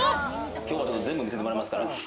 きょうは全部見せてもらいますから。